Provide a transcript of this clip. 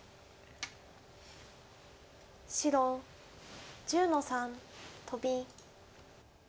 白１０の三トビ。